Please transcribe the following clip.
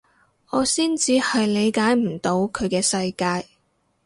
我先至係理解唔到佢嘅世界